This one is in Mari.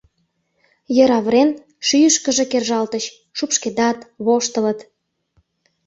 Йыр авырен, шӱйышкыжӧ кержалтыч, шупшкедат, воштылыт.